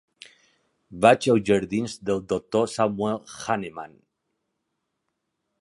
Vaig als jardins del Doctor Samuel Hahnemann.